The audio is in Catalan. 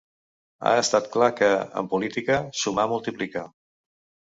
Ha estat clar que, en política, sumar multiplica.